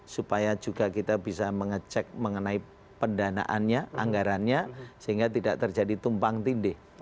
supaya juga kita bisa mengecek mengenai pendanaannya anggarannya sehingga tidak terjadi tumpang tindih